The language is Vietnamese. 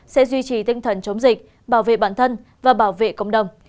sẽ duy trì tinh thần chống dịch bảo vệ bản thân và bảo vệ cộng đồng